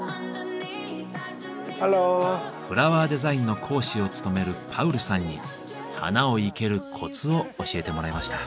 フラワーデザインの講師を務めるパウルさんに花を生けるコツを教えてもらいました。